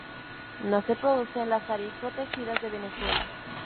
No se produce en las áreas protegidas de Venezuela.